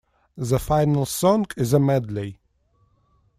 The final song is a medley.